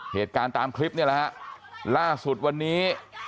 เหตุการณ์ตามคลิปเนี่ยแหละฮะล่าสุดวันนี้